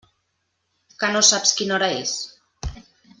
Que no saps quina hora és?